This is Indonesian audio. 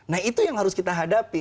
nah itu yang harus kita hadapi